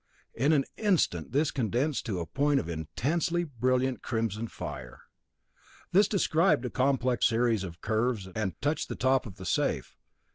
In an instant this condensed to a point of intensely brilliant crimson fire. This described a complex series of curves and touched the top of the safe.